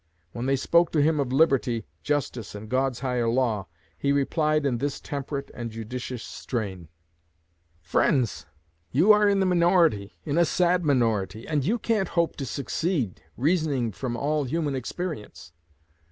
When they spoke to him of "Liberty, Justice, and God's higher law," he replied in this temperate and judicious strain: Friends, you are in the minority in a sad minority; and you can't hope to succeed, reasoning from all human experience.